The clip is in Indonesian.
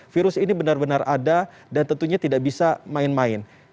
virus ini benar benar ada dan tentunya tidak bisa main main